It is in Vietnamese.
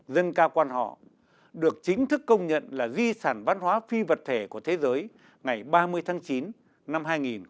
dân cao quan họ được chính thức công nhận là di sản văn hóa phi vật thể của thế giới ngày ba mươi tháng chín năm hai nghìn chín